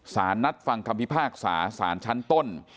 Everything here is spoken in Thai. สารนัดฟังคำพิพากษาสารชั้นต้น